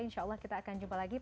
insya allah kita akan jumpa lagi